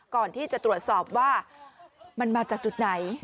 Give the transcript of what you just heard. ก่อนที่จะตรวจสอบว่ามันมาจากจุดไหน